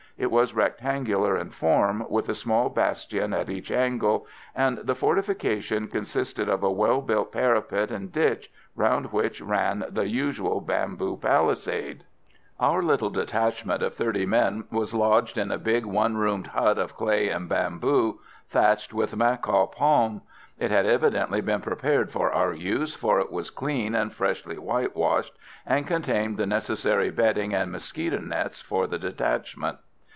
It was rectangular in form, with a small bastion at each angle, and the fortification consisted of a well built parapet and ditch, round which ran the usual bamboo palisades. Our little detachment of thirty men was lodged in a big, one roomed hut of clay and bamboo, thatched with macaw palm. It had evidently been prepared for our use, for it was clean and freshly whitewashed, and contained the necessary bedding and mosquito nets for the detachment.